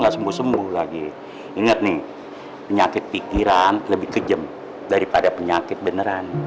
gak sembuh sembuh lagi inget nih penyakit pikiran lebih kejam daripada penyakit beneran